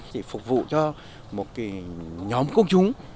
chỉ phục vụ cho một cái nhóm công chúng